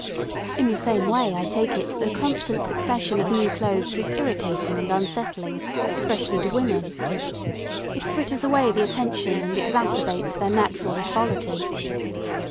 In the same way I take it that a constant succession of new clothes is irritating and unsettling, especially to women. It fritters away the attention and exacerbates their natural frivolity.